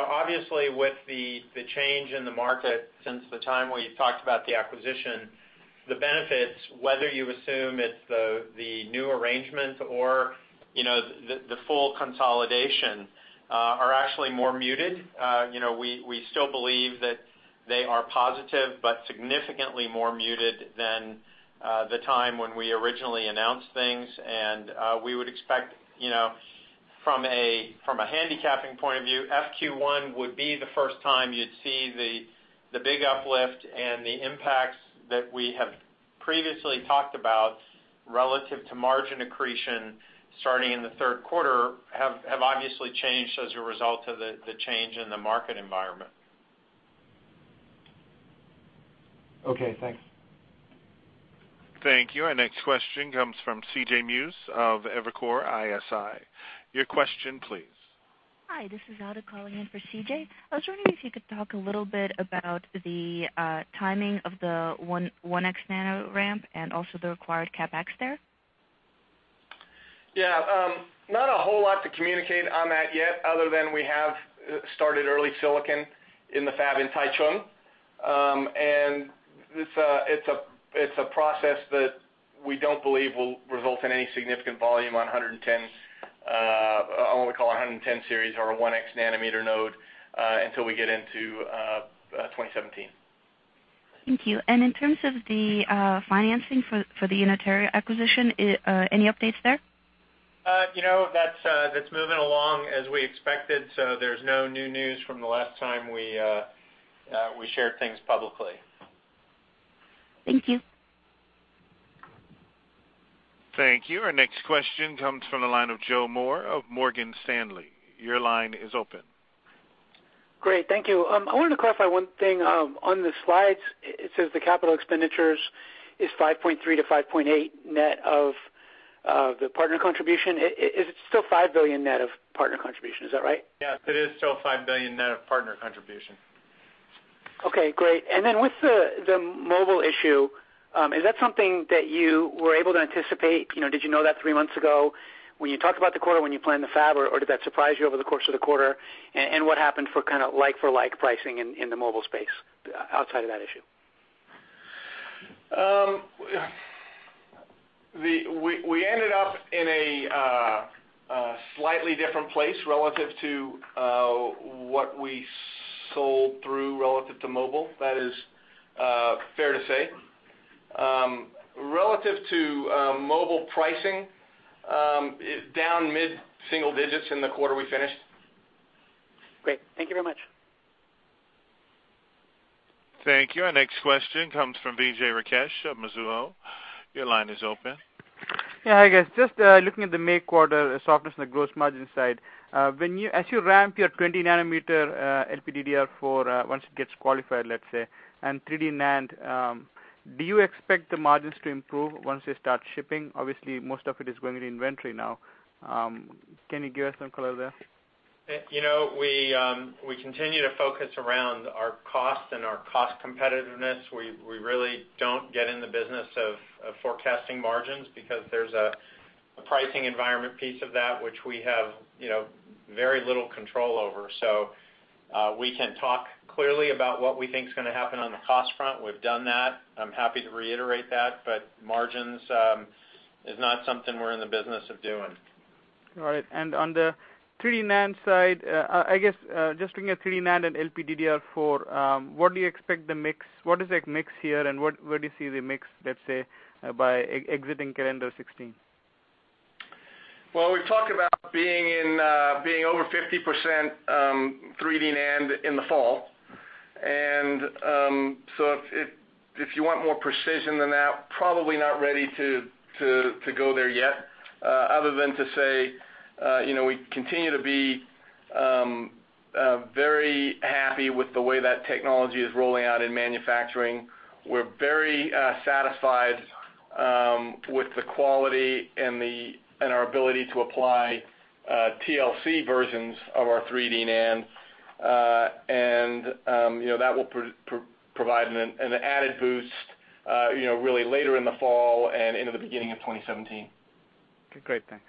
Obviously, with the change in the market since the time we talked about the acquisition, the benefits, whether you assume it's the new arrangement or the full consolidation, are actually more muted. We still believe that they are positive but significantly more muted than the time when we originally announced things. We would expect, from a handicapping point of view, FQ1 would be the first time you'd see the big uplift and the impacts that we have previously talked about relative to margin accretion starting in the third quarter have obviously changed as a result of the change in the market environment. Okay, thanks. Thank you. Our next question comes from C.J. Muse of Evercore ISI. Your question, please. Hi, this is Ada calling in for C.J. I was wondering if you could talk a little bit about the timing of the 1X nano ramp and also the required CapEx there. Not a whole lot to communicate on that yet, other than we have started early silicon in the fab in Taichung. It's a process that we don't believe will result in any significant volume on what we call 1X nanometer or a 1X nanometer node, until we get into 2017. Thank you. In terms of the financing for the Inotera acquisition, any updates there? That's moving along as we expected. There's no new news from the last time we shared things publicly. Thank you. Thank you. Our next question comes from the line of Joseph Moore of Morgan Stanley. Your line is open. Great. Thank you. I wanted to clarify one thing. On the slides, it says the CapEx is $5.3 billion-$5.8 billion net of the partner contribution. Is it still $5 billion net of partner contribution? Is that right? Yes, it is still $5 billion net of partner contribution. Okay, great. Then with the mobile issue, is that something that you were able to anticipate? Did you know that three months ago when you talked about the quarter when you planned the fab, or did that surprise you over the course of the quarter? What happened for kind of like-for-like pricing in the mobile space outside of that issue? We ended up in a slightly different place relative to what we sold through relative to mobile. That is fair to say. Relative to mobile pricing, down mid-single digits in the quarter we finished. Great. Thank you very much. Thank you. Our next question comes from Vijay Rakesh of Mizuho. Your line is open. Yeah. Hi, guys. Just looking at the May quarter softness in the gross margin side. As you ramp your 20 nanometer LPDDR4, once it gets qualified, let's say, and 3D NAND, do you expect the margins to improve once they start shipping? Obviously, most of it is going to the inventory now. Can you give us some color there? We continue to focus around our cost and our cost competitiveness. We really don't get in the business of forecasting margins because there's a pricing environment piece of that which we have very little control over. We can talk clearly about what we think is going to happen on the cost front. We've done that. I'm happy to reiterate that, margins is not something we're in the business of doing. On the 3D NAND side, I guess, just looking at 3D NAND and LPDDR4, what do you expect the mix? What is the mix here, and where do you see the mix, let's say, by exiting calendar 2016? Well, we've talked about being over 50% 3D NAND in the fall. If you want more precision than that, probably not ready to go there yet, other than to say we continue to be very happy with the way that technology is rolling out in manufacturing. We're very satisfied with the quality and our ability to apply TLC versions of our 3D NAND. That will provide an added boost really later in the fall and into the beginning of 2017. Okay, great. Thanks.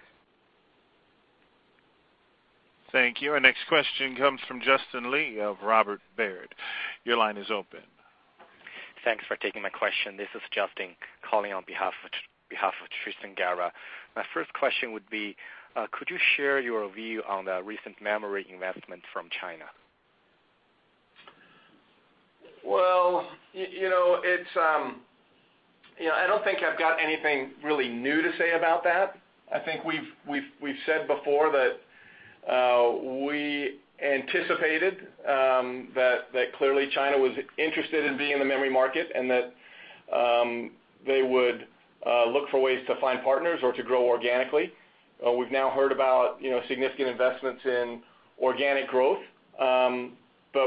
Thank you. Our next question comes from Justin Lee of Robert W. Baird. Your line is open. Thanks for taking my question. This is Justin, calling on behalf of Tristan Gerra. My first question would be, could you share your view on the recent memory investment from China? Well, I don't think I've got anything really new to say about that. I think we've said before that we anticipated that clearly China was interested in being in the memory market, that they would look for ways to find partners or to grow organically. We've now heard about significant investments in organic growth.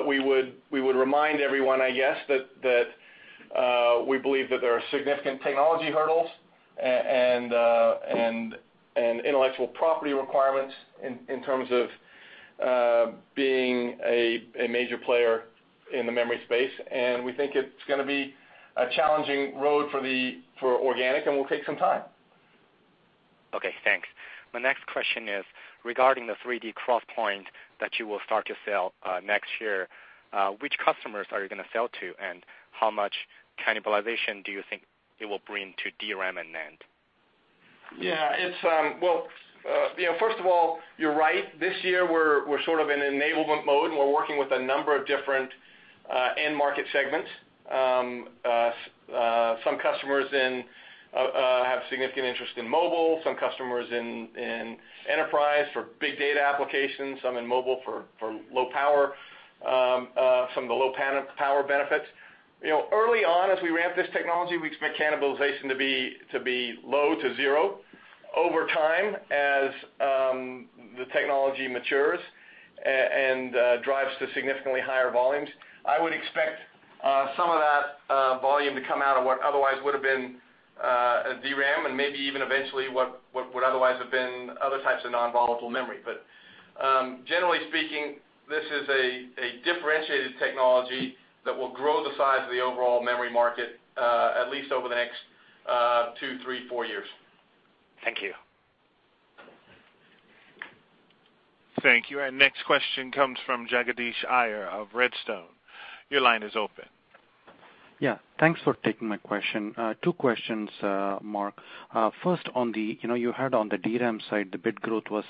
We would remind everyone, I guess, that we believe that there are significant technology hurdles, and intellectual property requirements in terms of being a major player in the memory space. We think it's going to be a challenging road for organic, and will take some time. Okay, thanks. My next question is regarding the 3D XPoint that you will start to sell next year. Which customers are you going to sell to, and how much cannibalization do you think it will bring to DRAM and NAND? Yeah. Well, first of all, you're right. This year, we're sort of in enablement mode, we're working with a number of different end market segments. Some customers have significant interest in mobile, some customers in enterprise for big data applications, some in mobile for low power, some of the low power benefits. Early on, as we ramp this technology, we expect cannibalization to be low to zero. Over time, as the technology matures, drives to significantly higher volumes, I would expect some of that volume to come out of what otherwise would have been a DRAM, maybe even eventually, what would otherwise have been other types of non-volatile memory. Generally speaking, this is a differentiated technology that will grow the size of the overall memory market, at least over the next two, three, four years. Thank you. Thank you. Our next question comes from Jagadeesh Iyer of Redstone. Your line is open. Thanks for taking my question. Two questions, Mark. First on the, you heard on the DRAM side, the bit growth was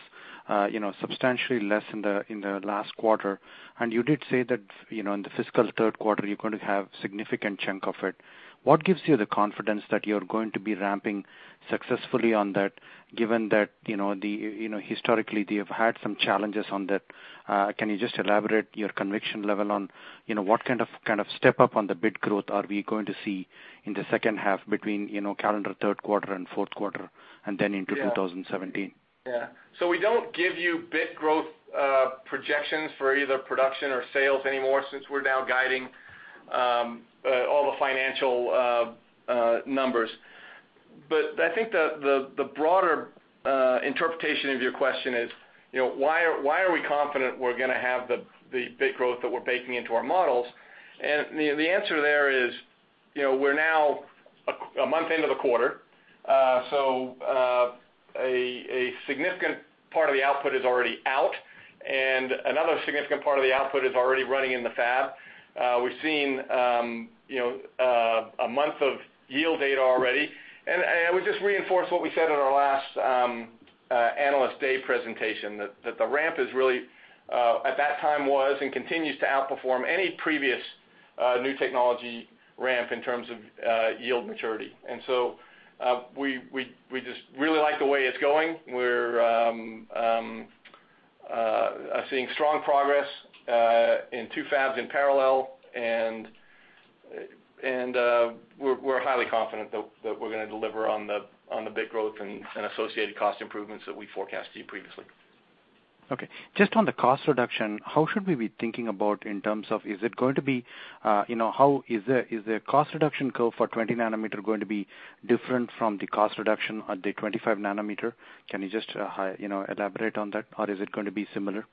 substantially less in the last quarter. You did say that in the fiscal third quarter, you're going to have significant chunk of it. What gives you the confidence that you're going to be ramping successfully on that, given that historically they have had some challenges on that? Can you just elaborate your conviction level on what kind of step-up on the bit growth are we going to see in the second half between calendar third quarter and fourth quarter, into 2017? We don't give you bit growth projections for either production or sales anymore, since we're now guiding all the financial numbers. I think the broader interpretation of your question is, why are we confident we're going to have the bit growth that we're baking into our models? The answer there is, we're now a month into the quarter. A significant part of the output is already out, and another significant part of the output is already running in the fab. We've seen a month of yield data already, and it would just reinforce what we said at our last Analyst Day presentation, that the ramp at that time was, and continues to outperform any previous new technology ramp in terms of yield maturity. We just really like the way it's going. We're seeing strong progress in two fabs in parallel, we're highly confident that we're going to deliver on the bit growth and associated cost improvements that we forecasted previously. Okay. Just on the cost reduction, how should we be thinking about in terms of, is the cost reduction curve for 20 nanometer going to be different from the cost reduction at the 25 nanometer? Can you just elaborate on that? Is it going to be similar?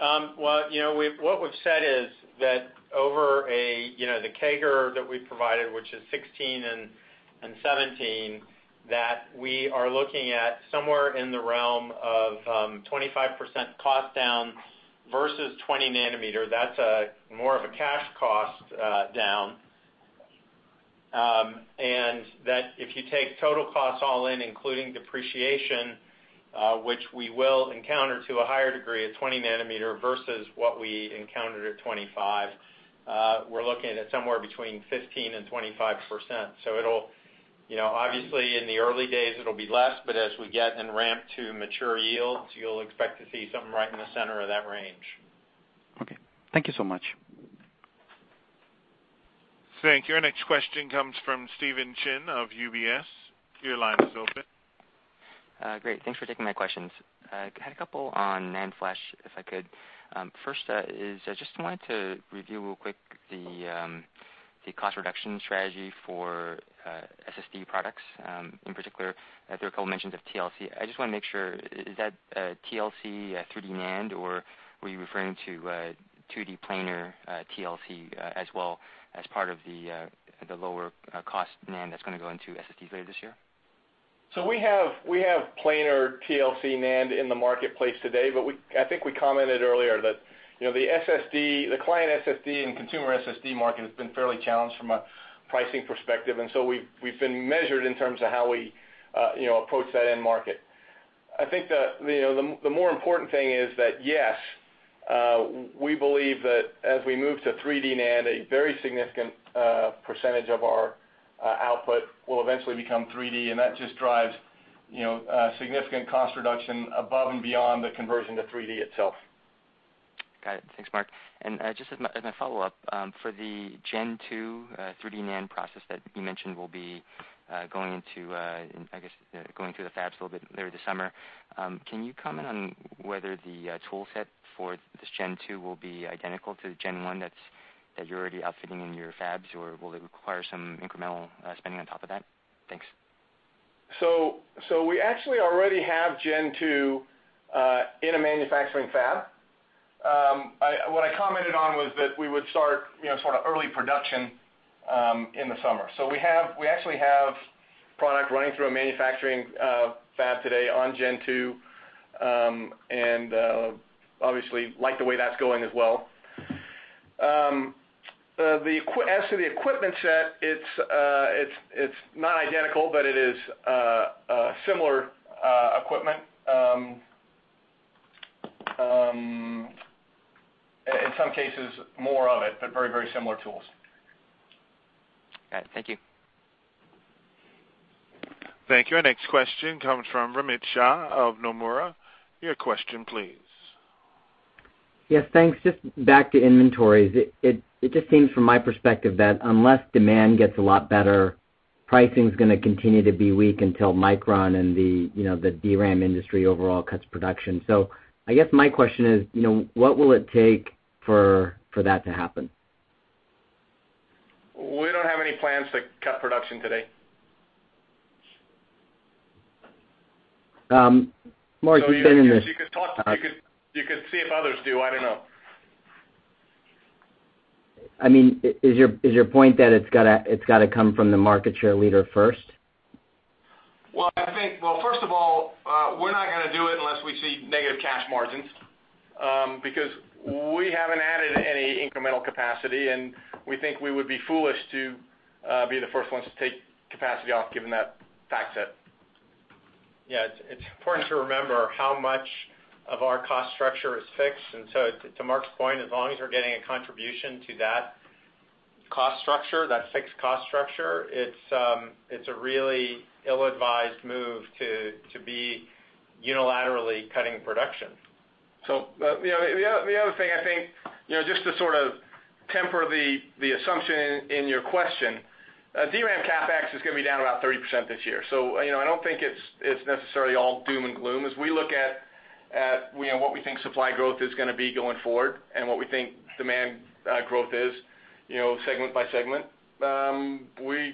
Well, what we've said is that over the CAGR that we provided, which is 2016 and 2017, that we are looking at somewhere in the realm of 25% cost down versus 20 nanometer. That's more of a cash cost down. If you take total costs all in, including depreciation, which we will encounter to a higher degree at 20 nanometer versus what we encountered at 25, we're looking at it somewhere between 15% and 25%. Obviously, in the early days it'll be less, but as we get and ramp to mature yields, you'll expect to see something right in the center of that range. Okay. Thank you so much. Thank you. Our next question comes from Stephen Chin of UBS. Your line is open. Great. Thanks for taking my questions. I had a couple on NAND flash, if I could. First is I just wanted to review real quick the cost reduction strategy for SSD products, in particular, there were a couple mentions of TLC. I just want to make sure, is that TLC 3D NAND, or were you referring to 2D planar TLC as well as part of the lower cost NAND that's going to go into SSDs later this year? We have planar TLC NAND in the marketplace today, but I think I commented earlier that the client SSD and consumer SSD market has been fairly challenged from a pricing perspective. We've been measured in terms of how we approach that end market. I think the more important thing is that, yes, we believe that as we move to 3D NAND, a very significant percentage of our output will eventually become 3D. That just drives significant cost reduction above and beyond the conversion to 3D itself. Got it. Thanks, Mark. Just as my follow-up, for the Gen 2 3D NAND process that you mentioned will be going through the fabs a little bit later this summer, can you comment on whether the tool set for this Gen 2 will be identical to the Gen 1 that you're already outfitting in your fabs, or will it require some incremental spending on top of that? Thanks. We actually already have Gen 2 in a manufacturing fab. What I commented on was that we would start early production in the summer. We actually have product running through a manufacturing fab today on Gen 2, and obviously like the way that's going as well. As to the equipment set, it's not identical, but it is similar equipment. In some cases, more of it, but very similar tools. All right. Thank you. Thank you. Our next question comes from Romit Shah of Nomura. Your question, please. Yes, thanks. Just back to inventories. It just seems from my perspective that unless demand gets a lot better, pricing is going to continue to be weak until Micron and the DRAM industry overall cuts production. I guess my question is, what will it take for that to happen? We don't have any plans to cut production today. Mark, you've been in this- You could see if others do. I don't know. Is your point that it's got to come from the market share leader first? Well, first of all, we're not going to do it unless we see negative cash margins, because we haven't added any incremental capacity, and we think we would be foolish to be the first ones to take capacity off given that fact set. Yeah. It's important to remember how much of our cost structure is fixed. To Mark's point, as long as we're getting a contribution to that cost structure, that fixed cost structure, it's a really ill-advised move to be unilaterally cutting production. The other thing, I think, just to sort of temper the assumption in your question, DRAM CapEx is going to be down about 30% this year. I don't think it's necessarily all doom and gloom. As we look at what we think supply growth is going to be going forward and what we think demand growth is segment by segment, we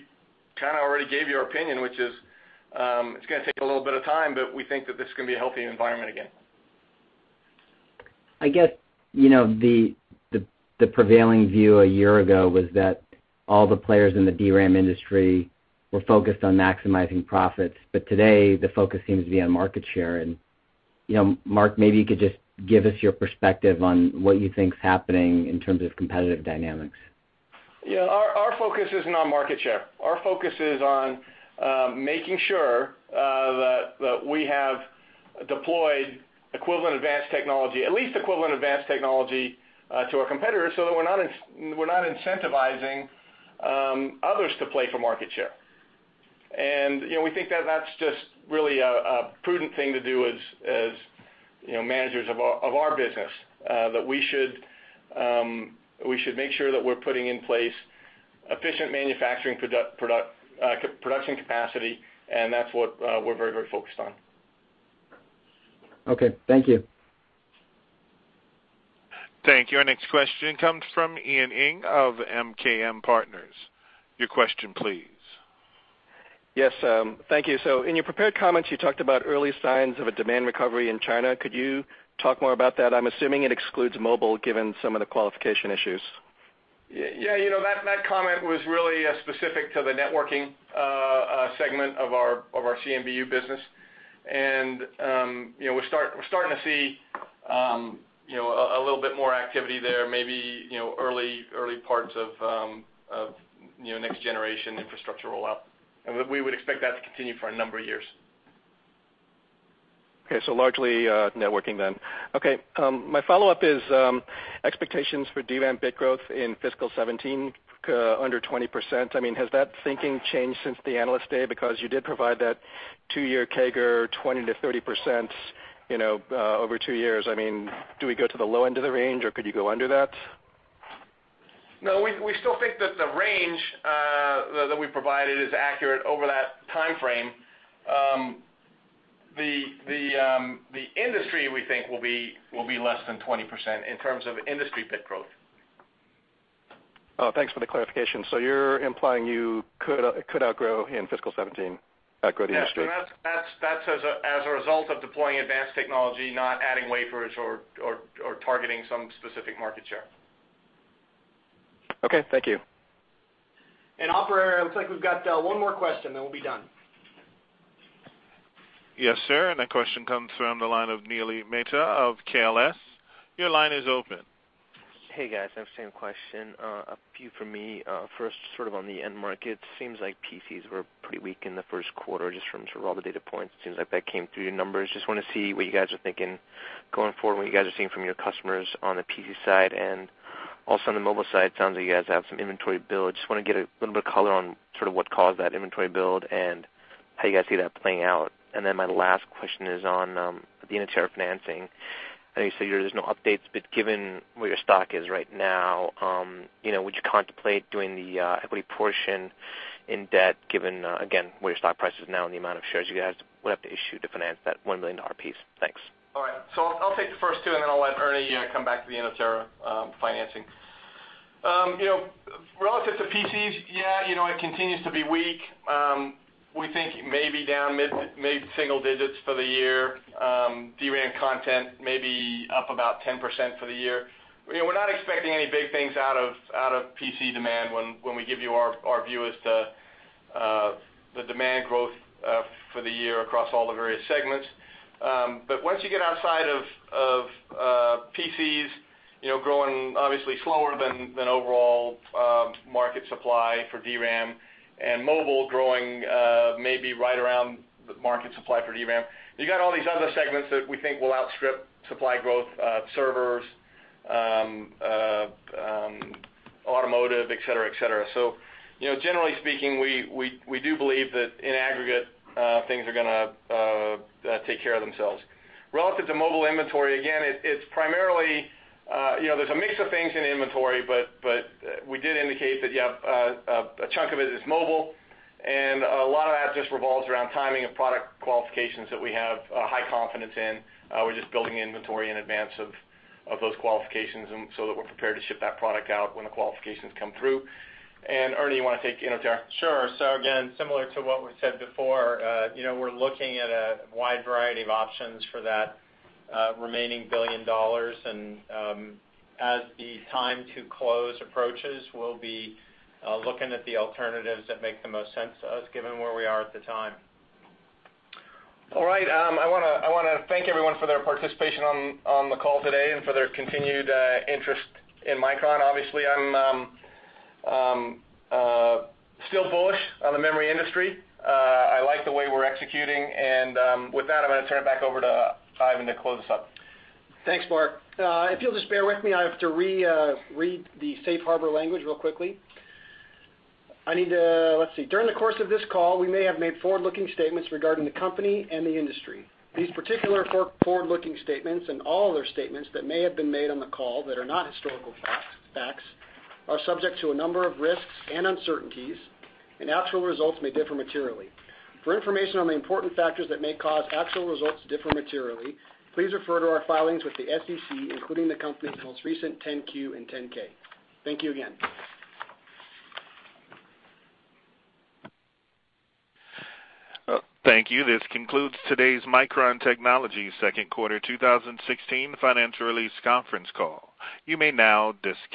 kind of already gave you our opinion, which is, it's going to take a little bit of time, but we think that this is going to be a healthy environment again. I guess, the prevailing view a year ago was that all the players in the DRAM industry were focused on maximizing profits. Today, the focus seems to be on market share. Mark, maybe you could just give us your perspective on what you think is happening in terms of competitive dynamics. Our focus isn't on market share. Our focus is on making sure that we have deployed equivalent advanced technology, at least equivalent advanced technology, to our competitors, so that we're not incentivizing others to play for market share. We think that's just really a prudent thing to do as managers of our business. We should make sure that we're putting in place efficient manufacturing production capacity, and that's what we're very focused on. Okay, thank you. Thank you. Our next question comes from Ian Ing of MKM Partners. Your question, please. Yes, thank you. In your prepared comments, you talked about early signs of a demand recovery in China. Could you talk more about that? I'm assuming it excludes mobile, given some of the qualification issues. Yeah. That comment was really specific to the networking segment of our CMBU business. We're starting to see a little bit more activity there, maybe early parts of next generation infrastructure rollout. We would expect that to continue for a number of years. Okay. Largely networking then. Okay. My follow-up is expectations for DRAM bit growth in fiscal 2017, under 20%. Has that thinking changed since the Analyst Day? You did provide that two-year CAGR 20%-30% over two years. Do we go to the low end of the range, or could you go under that? No, we still think that the range that we provided is accurate over that timeframe. The industry, we think, will be less than 20% in terms of industry bit growth. Oh, thanks for the clarification. You're implying you could outgrow in fiscal 2017, outgrow the industry. Yes, that's as a result of deploying advanced technology, not adding wafers or targeting some specific market share. Okay, thank you. Operator, it looks like we've got one more question, then we'll be done. Yes, sir. That question comes from the line of Nehal Mehta of KLS. Your line is open. Hey, guys. I have the same question. A few from me. First, sort of on the end market, seems like PCs were pretty weak in the first quarter, just from sort of all the data points. It seems like that came through your numbers. Just want to see what you guys are thinking going forward, what you guys are seeing from your customers on the PC side. Also on the mobile side, sounds like you guys have some inventory build. Just want to get a little bit of color on what caused that inventory build and how you guys see that playing out. My last question is on the Inotera financing. I know you say there's no updates, given where your stock is right now, would you contemplate doing the equity portion in debt, given, again, where your stock price is now and the amount of shares you guys would have to issue to finance that $1 billion piece? Thanks. All right. I'll take the first two, and then I'll let Ernie come back to the Inotera financing. Relative to PCs, yeah, it continues to be weak. We think maybe down mid-single digits for the year. DRAM content may be up about 10% for the year. We're not expecting any big things out of PC demand when we give you our view as to the demand growth for the year across all the various segments. Once you get outside of PCs growing obviously slower than overall market supply for DRAM, and mobile growing maybe right around the market supply for DRAM, you got all these other segments that we think will outstrip supply growth, servers, automotive, et cetera. Generally speaking, we do believe that in aggregate, things are going to take care of themselves. Relative to mobile inventory, again, there's a mix of things in inventory, we did indicate that, yeah, a chunk of it is mobile. A lot of that just revolves around timing and product qualifications that we have high confidence in. We're just building inventory in advance of those qualifications and so that we're prepared to ship that product out when the qualifications come through. Ernie, you want to take Inotera? Sure. Again, similar to what we said before, we're looking at a wide variety of options for that remaining $1 billion. As the time to close approaches, we'll be looking at the alternatives that make the most sense to us given where we are at the time. All right. I want to thank everyone for their participation on the call today and for their continued interest in Micron Technology. Obviously, I'm still bullish on the memory industry. I like the way we're executing. With that, I'm going to turn it back over to Ivan to close us out. Thanks, Mark. If you'll just bear with me, I have to reread the safe harbor language real quickly. Let's see. During the course of this call, we may have made forward-looking statements regarding the company and the industry. These particular forward-looking statements, and all other statements that may have been made on the call that are not historical facts, are subject to a number of risks and uncertainties, and actual results may differ materially. For information on the important factors that may cause actual results to differ materially, please refer to our filings with the SEC, including the company's most recent 10-Q and 10-K. Thank you again. Thank you. This concludes today's Micron Technology second quarter 2016 financial release conference call. You may now disconnect.